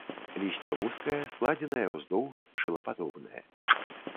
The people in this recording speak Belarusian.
Лісце вузкае, складзенае ўздоўж, шылападобнае.